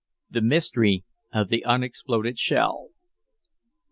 THE MYSTERY OF THE UNEXPLODED SHELL.